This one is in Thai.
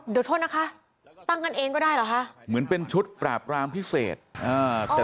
เดี๋ยวโทษนะคะตั้งกันเองก็ได้เหรอคะเหมือนเป็นชุดปราบรามพิเศษอ่า